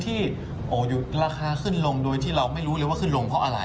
ที่ราคาขึ้นลงโดยที่เราไม่รู้เลยว่าขึ้นลงเพราะอะไร